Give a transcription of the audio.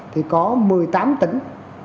thì có một mươi tám tỉnh